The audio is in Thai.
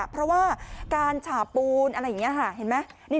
เพราะว่าการฉาปูนอะไรอย่างนี้ค่ะเห็นไหม